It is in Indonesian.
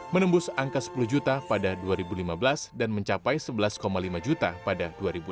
menembus angka sepuluh juta pada dua ribu lima belas dan mencapai sebelas lima juta pada dua ribu enam belas